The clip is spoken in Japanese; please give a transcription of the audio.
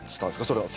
それは。